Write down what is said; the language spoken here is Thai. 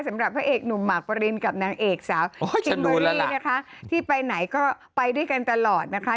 สำหรับพระเอกหนุ่มหมากปรินกับนางเอกสาวคิมเบอร์รี่นะคะที่ไปไหนก็ไปด้วยกันตลอดนะคะ